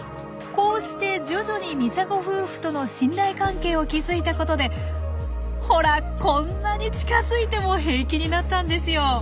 こうして徐々にミサゴ夫婦との信頼関係を築いたことでほらこんなに近づいても平気になったんですよ。